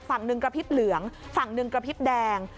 ฝั่งหนึ่งกระพริบเหลืองฝั่งหนึ่งกระพริบแดง